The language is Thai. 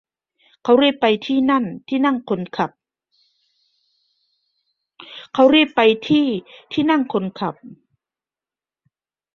เขารีบไปที่ที่นั่งคนขับ